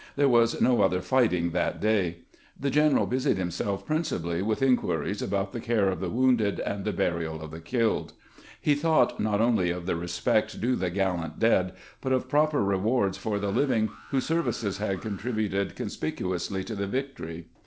There was no other fighting that day. The general busied himself principally with inquiries about the care of the wounded and the burial of the killed. He thought not only of the respect due the gallant dead, but of proper rewards for the living whose services had contributed conspicuously to the victory.